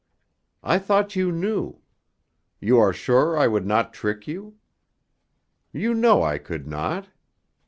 I thought you knew; you are sure I would not trick you? You know I could not?"